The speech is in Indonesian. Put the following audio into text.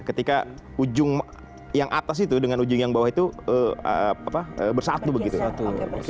ketika ujung yang atas itu dengan ujung yang bawah itu bersatu begitu satu